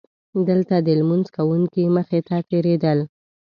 دلته د لمونځ کوونکي مخې ته تېرېدل.